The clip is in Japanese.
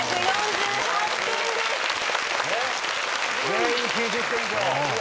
全員９０点以上。